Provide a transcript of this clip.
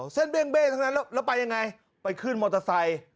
เส้นเบ้งทั้งนั้นแล้วไปยังไงไปขึ้นมอเตอร์ไซค์